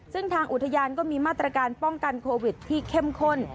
ซึ่งทางอุทยานก็มีมาตรการป้องกันโควิดที่เข้มข้น